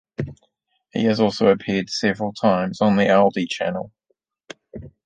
He has also appeared several times on the Audi Channel.